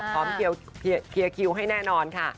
เคลียร์คิวให้แน่นอนค่ะ